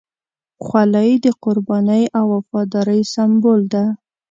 خولۍ د قربانۍ او وفادارۍ سمبول ده.